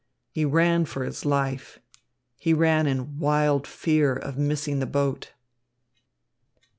He ran for his life. He ran in wild fear of missing the boat.